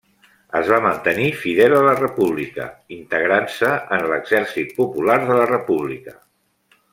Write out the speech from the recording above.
Es va mantenir fidel a la República, integrant-se en l'Exèrcit Popular de la República.